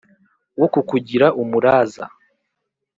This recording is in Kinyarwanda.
wo kukugira umuraza